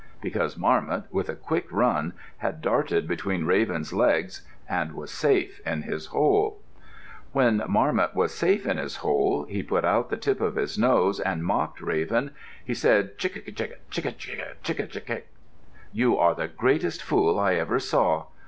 Because Marmot, with a quick run, had darted between Raven's legs and was safe in his hole. When Marmot was safe in his hole, he put out the tip of his nose and mocked Raven. He said, "Chi kik kik, chi kik kik, chi kik kik! You are the greatest fool I ever saw.